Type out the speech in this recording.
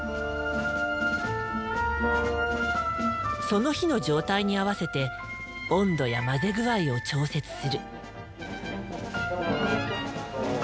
その日の状態に合わせて温度や混ぜ具合を調節する。